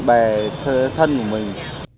bạn bè thân của mình